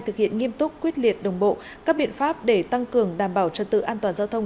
thực hiện nghiêm túc quyết liệt đồng bộ các biện pháp để tăng cường đảm bảo trật tự an toàn giao thông